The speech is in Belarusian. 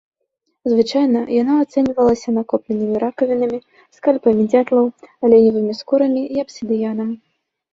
Звычайна яно ацэньвалася накопленымі ракавінамі, скальпамі дзятлаў, аленевымі скурамі і абсідыянам.